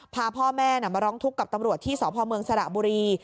พาพ่อแม่มาร้องทุกข์กับตำรวจที่สพเมืองสระบุรี